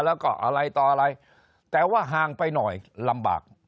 แล้วก็อะไรต่ออะไรแต่ว่าห่างไปหน่อยลำบาก